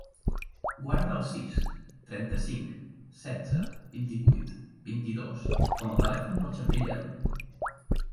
Guarda el sis, trenta-cinc, setze, vint-i-vuit, vint-i-dos com a telèfon del Xavier Lledo.